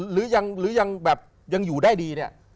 หรือยังอยู่ได้ดี